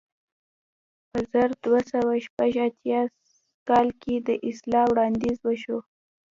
په زر دوه سوه شپږ اتیا کال کې د اصلاح وړاندیز وشو.